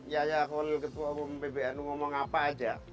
yaya kualil ketua umum pbnu ngomong apa aja